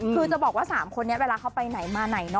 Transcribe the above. คือจะบอกว่า๓คนนี้เวลาเขาไปไหนมาไหน